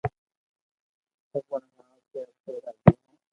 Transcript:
سبي ني ھڻاوُ ڪو اپي راجي ھون